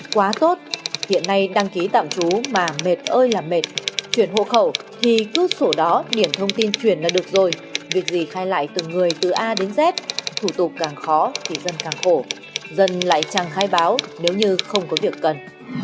quá tốt hiện nay đăng ký tạm trú mà mệt ơi làm mệt chuyển hộ khẩu thì cứ sổ đó điển thông tin chuyển là được rồi việc gì khai lại từng người từ a đến z thủ tục càng khó thì dân càng khổ dần lại chẳng khai báo nếu như không có việc cần